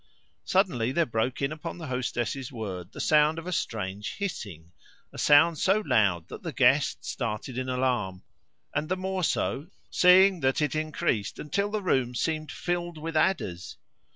Suddenly there broke in upon the hostess' words the sound of a strange hissing, a sound so loud that the guest started in alarm, and the more so seeing that it increased until the room seemed filled with adders.